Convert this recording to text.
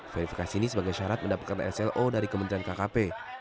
verifikasi ini sebagai syarat mendapatkan slo dari kementerian kkp